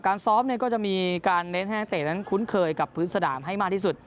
ซ้อมก็จะมีการเน้นให้นักเตะนั้นคุ้นเคยกับพื้นสนามให้มากที่สุด